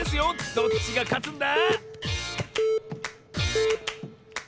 どっちがかつんだ？